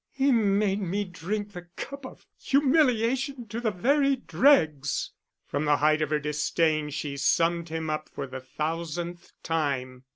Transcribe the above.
"He made me drink the cup of humiliation to the very dregs." From the height of her disdain she summed him up for the thousandth time.